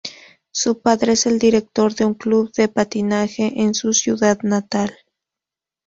Su padre es el director de un club de patinaje en su ciudad natal.